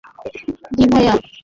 জি, ভাইয়া?